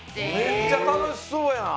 めっちゃたのしそうやん！